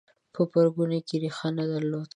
په پرګنو کې ریښه نه درلوده